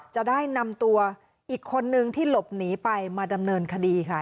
จะได้นำตัวอีกคนนึงที่หลบหนีไปมาดำเนินคดีค่ะ